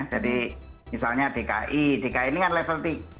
jadi misalnya dki dki ini kan level tiga